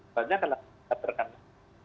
banyak yang tidak terkena